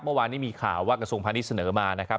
เมื่อวานนี้มีข่าวว่ากระทรวงพาณิชเสนอมานะครับ